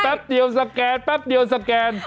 แป๊บเดียวสแกนแป๊บเดียวสแกน